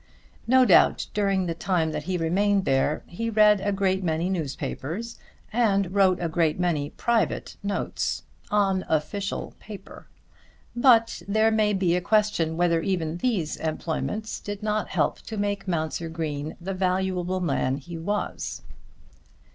No doubt during the time that he remained there he read a great many newspapers, and wrote a great many private notes, on official paper! But there may be a question whether even these employments did not help to make Mounser Green the valuable man he was.